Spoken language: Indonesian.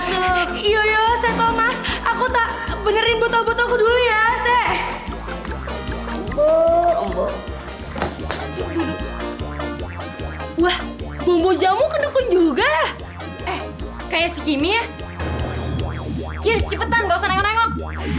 cheers cepetan gak usah nengok nengok